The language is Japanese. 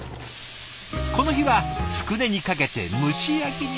この日はつくねにかけて蒸し焼きに。